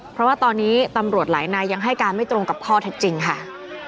เพราะว่าตอนนี้ตำรวจหลายนายยังให้การไม่ตรงกับข้อเท็จจริงค่ะ